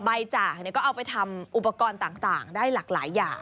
จากก็เอาไปทำอุปกรณ์ต่างได้หลากหลายอย่าง